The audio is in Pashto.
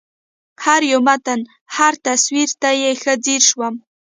هر یو متن هر تصویر ته یې ښه ځېر شوم